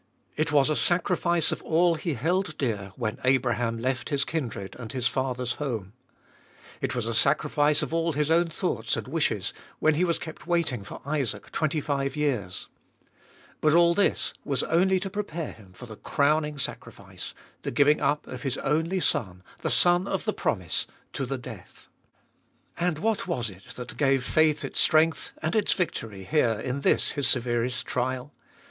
It was a sacrifice of all he held dear when Abraham left his kindred and his father's home. 29 450 Ebe tbolfest of Ell It was a sacrifice of all his own thoughts and wishes, when he was kept waiting for Isaac twenty five years. But all this was only to prepare him for the crowning sacrifice — the giving up of his only son, the son of the promise, to the death. And what was it that gave faith its strength and its victory here in this his severest trial?